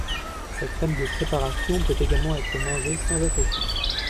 Sa crème de préparation peut également être mangée sans être cuite.